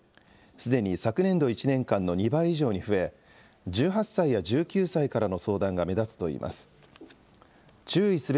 すでに昨年度１年間の２倍以上に増え、１８歳や１９歳からの相談が目立つといいます。